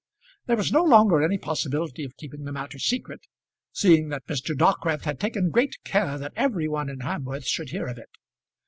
There was no longer any possibility of keeping the matter secret, seeing that Mr. Dockwrath had taken great care that every one in Hamworth should hear of it.